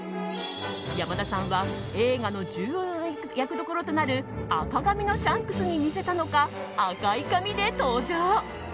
山田さんは映画の重要な役どころになる赤髪のシャンクスに似せたのか赤い髪で登場。